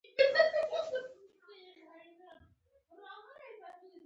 نوم دي؟